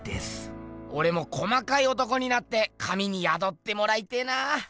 オレも細かい男になって神にやどってもらいてぇな。